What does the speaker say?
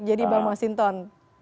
jadi bang mas hinton